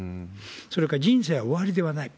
それから人生は終わりではない。